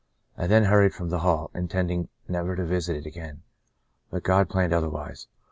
I then hurried from the hall, intending never to visit it again. But God planned otherwise.